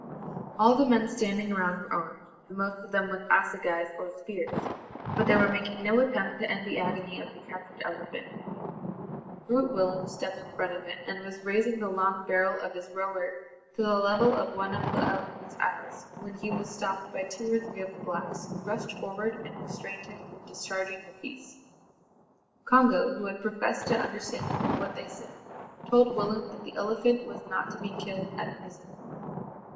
All the men standing around were armed, the most of them with assegais or spears, but they were making no attempt to end the agony of the captured elephant. Groot Willem stepped in front of it, and was raising the long barrel of his roer to the level of one of the elephant's eyes, when he was stopped by two or three of the blacks, who rushed forward and restrained him from discharging the piece. Congo, who had professed to understand what they said, told Willem that the elephant was not to be killed at present.